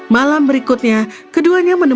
malam berikutnya keduanya berhenti